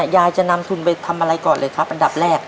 ยายจะนำทุนไปทำอะไรก่อนเลยครับอันดับแรก